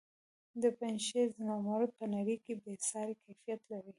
د پنجشیر زمرد په نړۍ کې بې ساري کیفیت لري.